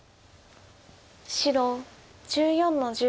白１４の十。